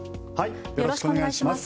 よろしくお願いします。